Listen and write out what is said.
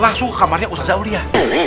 langsung ke kamarnya ustadz zaulia